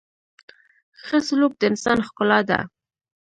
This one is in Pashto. • ښه سلوک د انسان ښکلا ده.